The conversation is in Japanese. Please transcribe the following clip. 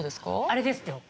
あれですよ。